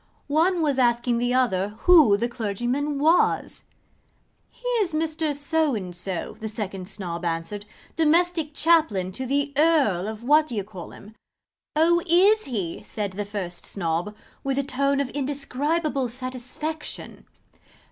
One was asking the other who the clergyman was? 'He is Mr. So and so,' the second Snob answered, 'domestic chaplain to the Earl of What d'ye call'im.' 'Oh, is he' said the first Snob, with a tone of indescribable satisfaction.